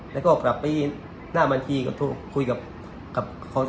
แล้วก็กลับไปหน้าบัญชีก็โทรคุยกับ